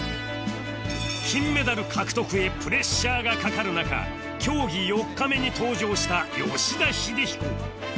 金メダル獲得へプレッシャーがかかる中競技４日目に登場した吉田秀彦